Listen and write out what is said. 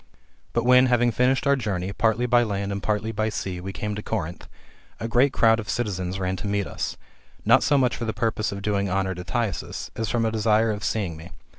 But when, having finished our journey, partly by land and partly by sea, we came to Corinth, a great crowd of the citizens ran to meet us, not so much for the purpose of doing honour to Thyasus, as from a desire of seeing me.